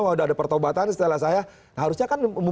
wah udah ada pertobatan setelah saya harusnya kan